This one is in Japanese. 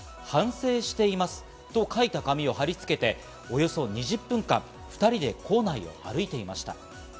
反省しています。」と書いた紙を貼り付け、およそ２０分間、２人で校内を歩いていました。